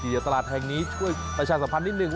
เดี๋ยวตลาดแห่งนี้ช่วยประชาสัมพันธ์นิดนึง